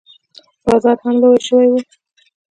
بازار هم لوى سوى و.